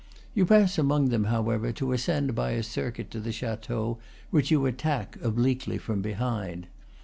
You pass among them, however, to ascend by a circuit to the chateau, which you attack, obliquely, from behind.